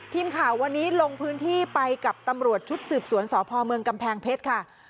ทีมข่าววันนี้ลงพื้นที่ไปกับตำรวจชุดสืบสวนสพเมืองกำแพงเพชรค่ะ